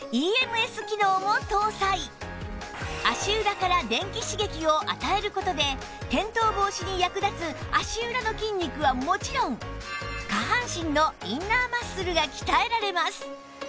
足裏から電気刺激を与える事で転倒防止に役立つ足裏の筋肉はもちろん下半身のインナーマッスルが鍛えられます